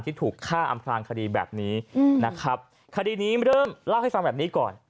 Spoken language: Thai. ที่ถูกฆ่าอำพลางคดีแบบนี้นะครับคดีนี้เริ่มเล่าให้ฟังแบบนี้ก่อน